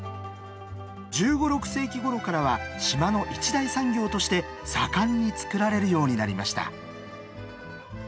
１５１６世紀ごろからは島の一大産業として盛んに作られるようになりました。